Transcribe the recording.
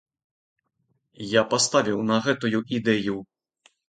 Я паставіў на гэтую ідэю!